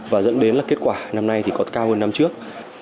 và dẫn đến là kết quả năm nay thì còn cao hơn năm trước